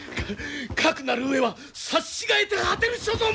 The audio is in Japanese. かくなる上は刺し違えて果てる所存！